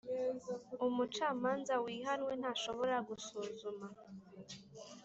Umucamanza wihanwe ntashobora gusuzuma